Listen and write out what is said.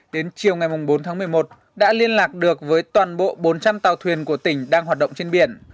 đến chiều ngày bốn tháng một mươi một đã liên lạc được với toàn bộ bốn trăm linh tàu thuyền của tỉnh đang hoạt động trên biển